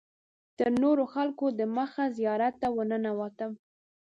تر نورو خلکو دمخه زیارت ته ورننوتم.